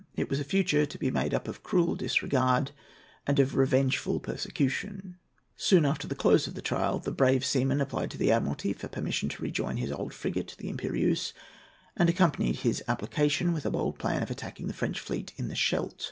It was a future to be made up of cruel disregard and of revengeful persecution.[A] [Footnote A: See Appendix (I.).] Soon after the close of the trial, the brave seaman applied to the Admiralty for permission to rejoin his old frigate, the Impérieuse, and accompanied his application with a bold plan for attacking the French fleet in the Scheldt.